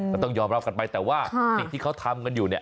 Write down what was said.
ก็ต้องยอมรับกันไปแต่ว่าสิ่งที่เขาทำกันอยู่เนี่ย